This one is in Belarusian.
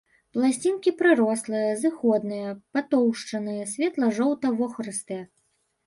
Пласцінкі прырослыя, зыходныя, патоўшчаныя, светла-жоўта-вохрыстыя.